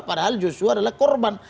padahal joshua adalah korban